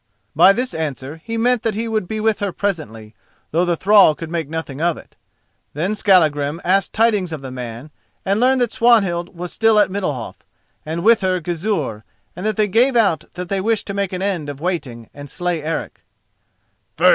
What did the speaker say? By this answer he meant that he would be with her presently, though the thrall could make nothing of it. Then Skallagrim asked tidings of the man, and learned that Swanhild was still at Middalhof, and with her Gizur, and that they gave out that they wished to make an end of waiting and slay Eric.